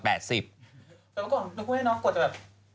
แต่เมื่อก่อนต้องคุยให้น้องกว่าจะแบบ